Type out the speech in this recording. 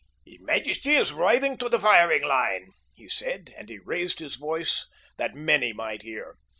"His majesty is riding to the firing line," he said and he raised his voice that many might hear.